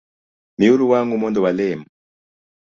Miuru wang’ u mondo walem